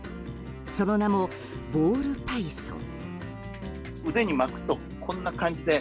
その名もボールパイソン。